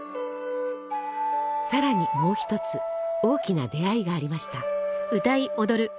さらにもう一つ大きな出会いがありました。